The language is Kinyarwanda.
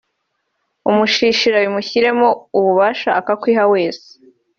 umushishira bimushyiramo ubushake akakwiha wese wese